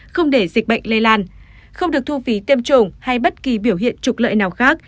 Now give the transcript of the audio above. không để dịch bệnh lây lan không được thu phí tiêm chủng hay bất kỳ biểu hiện trục lợi nào khác